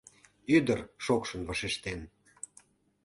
Ӱдыр шокшын вашештен.